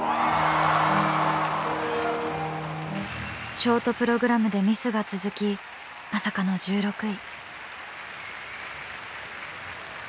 ショートプログラムでミスが続きまさかの１６位。